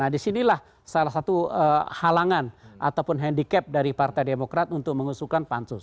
nah disinilah salah satu halangan ataupun handicap dari partai demokrat untuk mengusulkan pansus